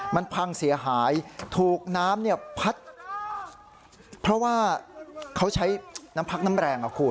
มันพังเสียหายถูกน้ำเนี่ยพัดเพราะว่าเขาใช้น้ำพักน้ำแรงอ่ะคุณ